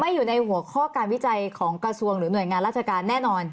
อยู่ในหัวข้อการวิจัยของกระทรวงหรือหน่วยงานราชการแน่นอน